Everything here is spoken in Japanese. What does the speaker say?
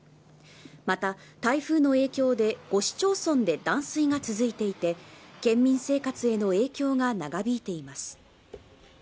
また、台風の影響で５市町村で断水が続いていて県民生活への影響が長引いています。